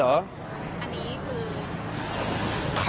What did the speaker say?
อันนี้คือ